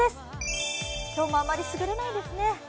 今日もあまりすぐれないですね。